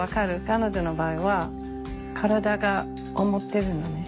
彼女の場合は体が思ってるのね。